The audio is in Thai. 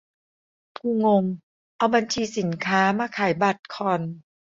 กูงง เอาบัญชีสินค้ามาขายบัตรคอน